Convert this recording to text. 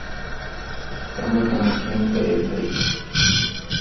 سو متؤں نہ کِھن٘گ کرے بھئ تُھو۔